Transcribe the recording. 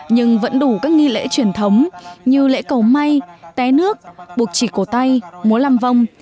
nhưng vẫn đủ các nghi lễ truyền thống như lễ cầu may té nước buộc chỉ cổ tay múa làm vong